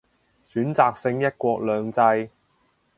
選擇性一國兩制